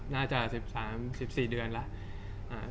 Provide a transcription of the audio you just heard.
น่าจะ๑๓๑๔เดือนแล้ว